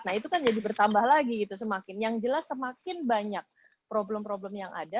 jadi itu kan jadi bertambah lagi semakin yang jelas semakin banyak problem problem yang ada